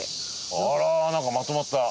あらなんかまとまった。